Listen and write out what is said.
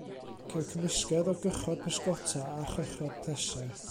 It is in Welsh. Ceir cymysgedd o gychod pysgota a chychod pleser.